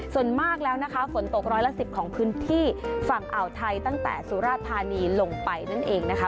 ส่วนมากแล้วนะคะฝนตกร้อยละ๑๐ของพื้นที่ฝั่งอ่าวไทยตั้งแต่สุราธานีลงไปนั่นเองนะคะ